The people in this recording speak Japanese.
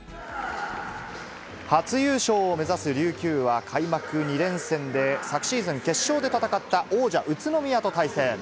初優勝を目指す琉球は開幕２連戦で昨シーズン、決勝で戦った王者、宇都宮と対戦。